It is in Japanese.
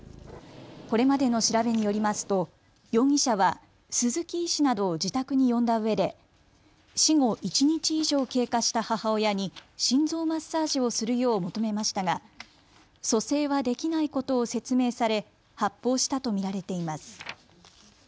これまでの調べによりますと容疑者は鈴木医師などを自宅に呼んだうえで死後、１日以上経過した母親に心臓マッサージをするよう求めましたが蘇生はできないことを説明され発砲したと見られています。